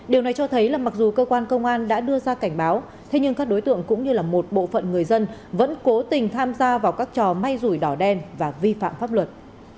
điều này cho thấy là mặc dù cơ quan công an đã đưa ra cảnh báo thế nhưng các đối tượng cũng như là một bộ phận người dân vẫn cố tình tham gia vào các trò may rủi đỏ đen và vi phạm pháp luật